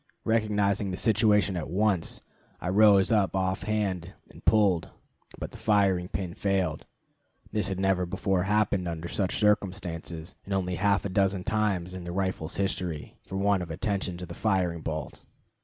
Recognizing the situation at once, I rose up offhand and pulled, but the firing pin failed. This had never before happened under such circumstances, and only half a dozen times in the rifle's history, for want of attention to the firing bolt.